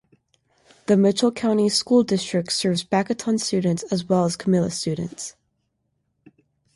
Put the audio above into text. The Mitchell County School District serves Baconton students, as well as Camilla students.